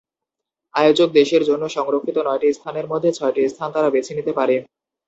আয়োজক দেশের জন্য সংরক্ষিত নয়টি স্থানের মধ্যে ছয়টি স্থান তারা বেছে নিতে পারে।